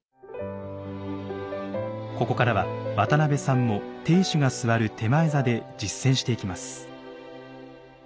ここからは渡邊さんも亭主が座る点前座で実践していきます。